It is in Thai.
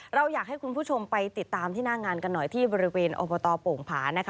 เราอยากให้คุณผู้ชมไปติดตามที่หน้างานกันหน่อยที่บริเวณอบตโป่งผานะคะ